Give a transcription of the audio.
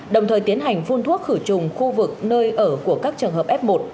đồng thời tiến hành phun thuốc khử trùng khu vực nơi ở của các trường hợp f một